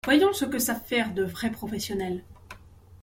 Voyons ce que savent faire de vrais professionnels.